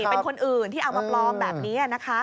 เป็นคนอื่นที่เอามาปลอมแบบนี้นะคะ